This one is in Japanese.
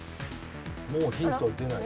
もうヒント出ない？